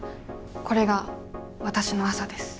これがわたしの朝です。